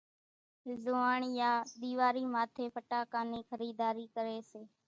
زوئاڻيا ۮيواري ماٿي ڦٽاڪان نِي خريڌاري ڪري سي ،